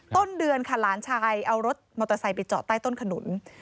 ต้นเดือนค่ะหลานชายเอารถมอเตอร์ไซค์ไปจอดใต้ต้นขนุน